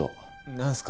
何すか？